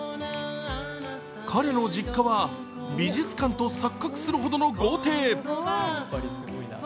彼の実家は美術館と錯覚するほどの豪邸。